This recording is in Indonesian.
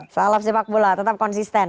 salam sepak bola tetap konsisten